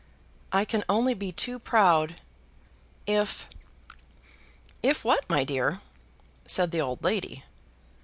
"I can only be too proud, if " "If what, my dear?" said the old lady.